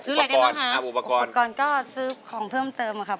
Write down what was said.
อะไรได้บ้างคะอุปกรณ์ก่อนก็ซื้อของเพิ่มเติมอะครับ